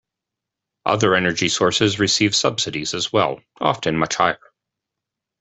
Other energy sources receive subsidies as well, often much higher.